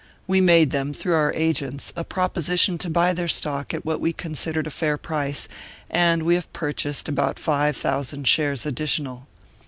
We made them, through our agents, a proposition to buy their stock at what we considered a fair price; and we have purchased about five thousand shares additional.